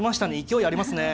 勢いありますね。